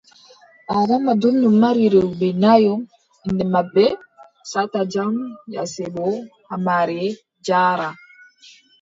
Adama ɗonno mari rewɓe nayo inɗe maɓɓe: Sata Jam, Yasebo, Hammare, Jaara.